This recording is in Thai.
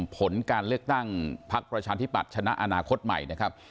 ผลการเลือกตั้งพักประชาธิปัตย์ชนะอนาคตใหม่นะครับ